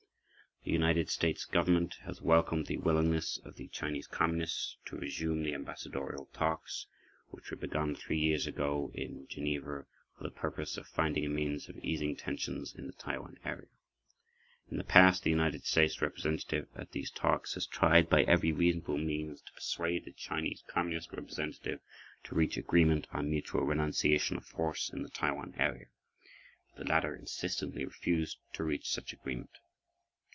The United States Government has welcomed the willingness of the Chinese Communists to resume the ambassadorial talks, which were begun three years ago in Geneva, for the purpose of finding a means of easing tensions in the Taiwan area. In the past, the United States representative at these talks has tried by every reasonable means to [pg 23]persuade the Chinese Communist representative to reach agreement on mutual renunciation of force in the Taiwan area but the latter insistently refused to reach such agreement.